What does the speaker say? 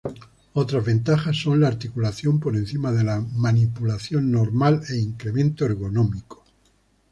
Otras ventajas son la articulación por encima de la manipulación normal e incremento ergonómico.